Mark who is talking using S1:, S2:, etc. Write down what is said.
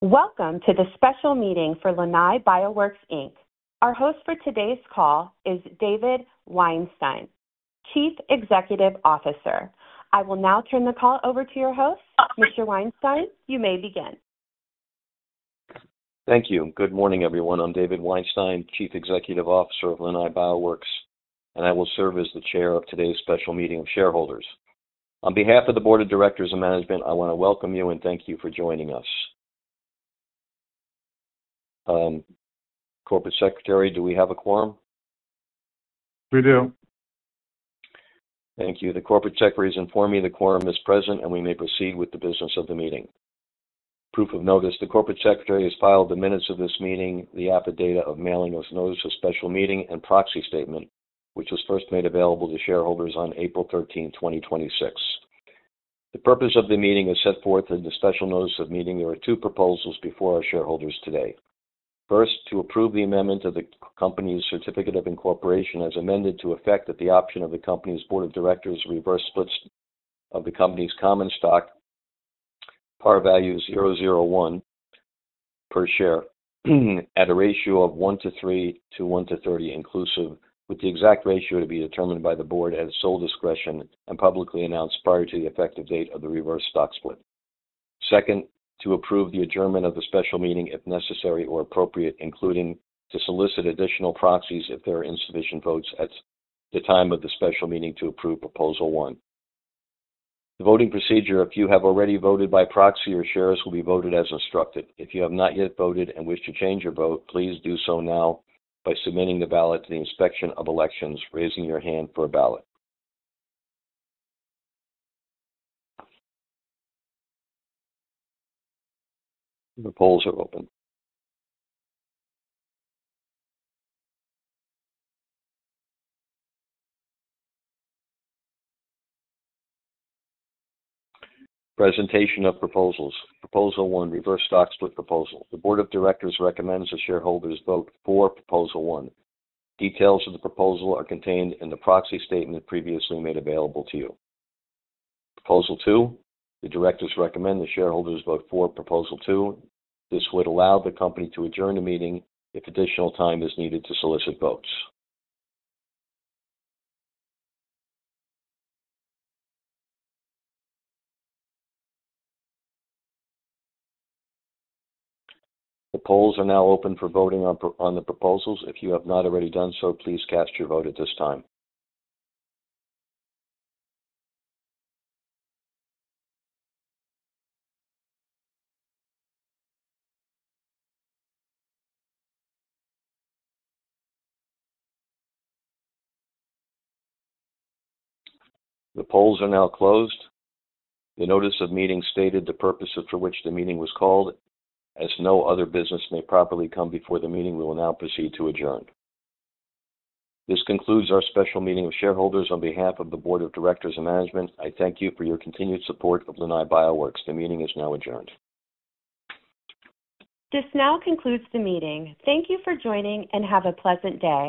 S1: Welcome to the special meeting for Lunai Bioworks Inc. Our host for today's call is David Weinstein, Chief Executive Officer. I will now turn the call over to your host. Mr. Weinstein, you may begin.
S2: Thank you. Good morning, everyone. I'm David Weinstein, Chief Executive Officer of Lunai Bioworks, I will serve as the Chair of today's special meeting of shareholders. On behalf of the board of directors and management, I want to welcome you and thank you for joining us. Corporate secretary, do we have a quorum?
S3: We do.
S2: Thank you. The corporate secretary has informed me the quorum is present, and we may proceed with the business of the meeting. Proof of notice. The corporate secretary has filed the minutes of this meeting, the affidavit of mailing of notice of special meeting and proxy statement, which was first made available to shareholders on April 13th, 2026. The purpose of the meeting is set forth in the special notice of meeting. There are two proposals before our shareholders today. First, to approve the amendment of the company's certificate of incorporation as amended to effect that the option of the company's board of directors reverse splits of the company's common stock, par value $0.001 per share at a ratio of 1:3 to 1:30 inclusive, with the exact ratio to be determined by the board at its sole discretion and publicly announced prior to the effective date of the reverse stock split. Second, to approve the adjournment of the special meeting if necessary or appropriate, including to solicit additional proxies if there are insufficient votes at the time of the special meeting to approve Proposal 1. The voting procedure, if you have already voted by proxy, your shares will be voted as instructed. If you have not yet voted and wish to change your vote, please do so now by submitting the ballot to the inspection of elections, raising your hand for a ballot. The polls are open. Presentation of proposals. Proposal 1, reverse stock split proposal. The board of directors recommends the shareholders vote for Proposal 1. Details of the proposal are contained in the proxy statement previously made available to you. Proposal 2, the directors recommend the shareholders vote for Proposal 2. This would allow the company to adjourn the meeting if additional time is needed to solicit votes. The polls are now open for voting on the proposals. If you have not already done so, please cast your vote at this time. The polls are now closed. The notice of meeting stated the purpose for which the meeting was called. As no other business may properly come before the meeting, we will now proceed to adjourn. This concludes our special meeting of shareholders. On behalf of the board of directors and management, I thank you for your continued support of Lunai Bioworks. The meeting is now adjourned.
S1: This now concludes the meeting. Thank you for joining and have a pleasant day.